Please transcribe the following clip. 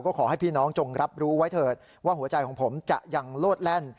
ขอให้พี่น้องจงรับรู้ไว้เถิดว่าหัวใจของผมจะยังโลดแล่น